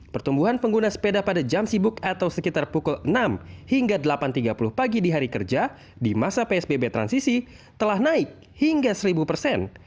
pertumbuhan pengguna sepeda pada jam sibuk atau sekitar pukul enam hingga delapan tiga puluh pagi di hari kerja di masa psbb transisi telah naik hingga seribu persen